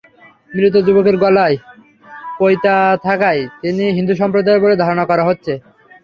মৃত যুবকের গলায় পইতা থাকায় তিনি হিন্দু সম্প্রদায়ের বলে ধারণা করা হচ্ছে।